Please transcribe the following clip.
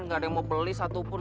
nggak ada yang mau beli satupun